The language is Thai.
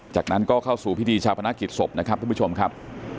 จากนั้นก็เข้าสู่พิธีชาวพนักกิจศพนะครับทุกผู้ชมครับ